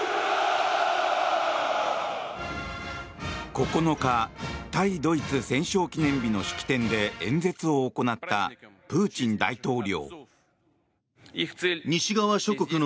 ９日対ドイツ戦勝記念日の式典で演説を行ったプーチン大統領。